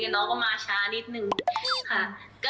น้องก็มาช้านิดนึงค่ะ